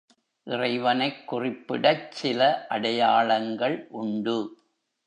இறைவனைக் குறிப்பிடச் சில அடையாளங்கள் உண்டு.